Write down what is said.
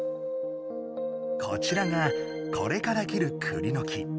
こちらがこれから切るクリの木。